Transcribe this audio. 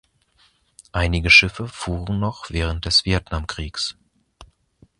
Einige Schiffe fuhren noch während des Vietnamkriegs.